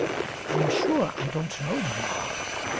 "I'm sure I don't know, mamma."